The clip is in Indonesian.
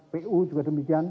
pu juga demikian